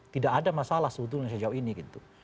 tidak ada masalah sebetulnya sejauh ini gitu